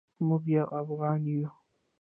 موږ یو افغان یو